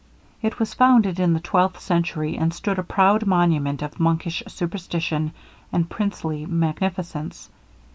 It was founded in the twelfth century, and stood a proud monument of monkish superstition and princely magnificence.